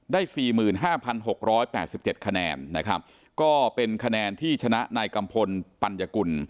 ได้๔๕๖๘๗คะแนนก็เป็นคะแนนที่ชนะในกัมพลปัญญากุล